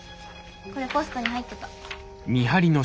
これポストに入ってた。